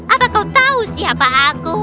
apa kau tahu siapa aku